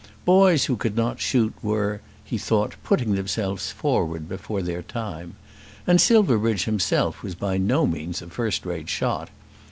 Boys who could not shoot were, he thought, putting themselves forward before their time. And Silverbridge himself was by no means a first rate shot.